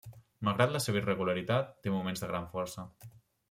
Malgrat la seva irregularitat, té moments de gran força.